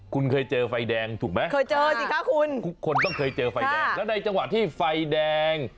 คุณเคยเจอไฟแดงถูกไหมค่ะคุณต้องเคยเจอไฟแดงแล้วในจังหวะที่ไฟแดง